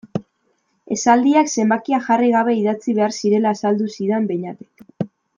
Esaldiak zenbakia jarri gabe idatzi behar zirela azaldu zidan Beñatek.